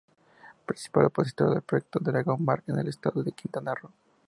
Principal opositora del proyecto "Dragon Mart" en el estado de Quintana Roo